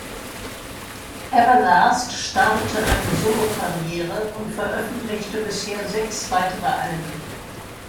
Everlast startete eine Solokarriere und veröffentlichte bisher sechs weitere Alben.